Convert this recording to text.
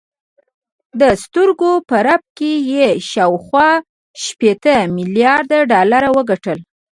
د سترګو په رپ کې یې شاوخوا شپېته میلارده ډالر وګټل